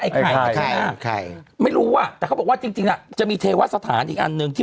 ไอ้ไข่ไข่ไม่รู้อ่ะแต่เขาบอกว่าจริงจริงอ่ะจะมีเทวัสสถานอีกอันหนึ่งที่